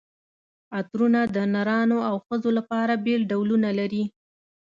عطرونه د نرانو او ښځو لپاره بېل ډولونه لري.